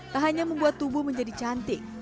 tak hanya membuat tubuh menjadi cantik